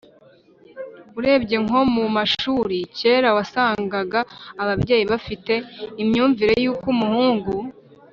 . Urebye nko mu mashuri, kera wasangaga ababyeyi bafite imyumvire y’uko umuhungu